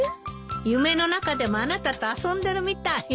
夢の中でもあなたと遊んでるみたいね。